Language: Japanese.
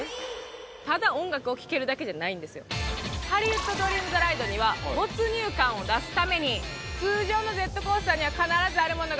ハリウッド・ドリーム・ザ・ライドには没入感を出すために通常のジェットコースターには必ずあるものが軽減されてます。